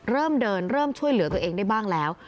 เริ่มเดินเริ่มช่วยเหลือตัวเองได้บ้างแล้ว